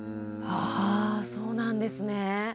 あそうなんですね。